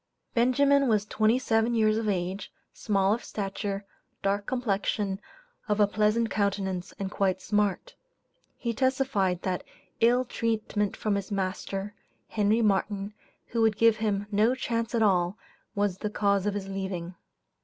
Benjamin was twenty seven years of age, small of stature, dark complexion, of a pleasant countenance, and quite smart. He testified, that "ill treatment from his master," Henry Martin, who would give him "no chance at all," was the cause of his leaving.